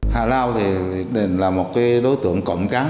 hà lao thì là một cái đối tượng cộng cán